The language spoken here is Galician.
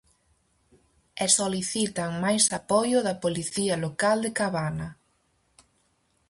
E solicitan máis apoio da Policía Local de Cabana.